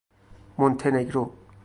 مونته نگرو